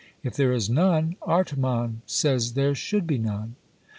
If there is none; Artemon says there should be none.